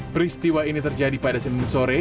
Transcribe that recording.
peristiwa ini terjadi pada senin sore